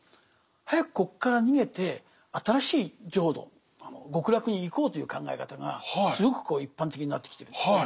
早くここから逃げて新しい浄土極楽に行こうという考え方がすごく一般的になってきてるんですね。